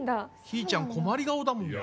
ひーちゃん困り顔だもん。